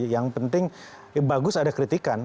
yang penting bagus ada kritikan